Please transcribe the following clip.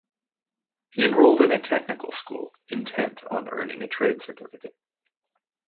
He enrolled in a technical school, intent on earning a trade certificate.